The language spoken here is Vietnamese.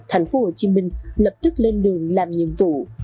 thành phố hồ chí minh lập tức lên đường làm nhiệm vụ